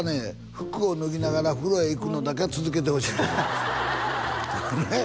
服を脱ぎながら風呂へ行くのだけは続けてほしいと思いますねっ？